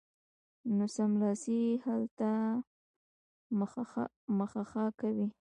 نو سملاسي یې حل ته مه مخه کوئ